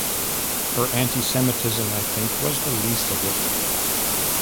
Her anti-Semitism, I think, was the least of it.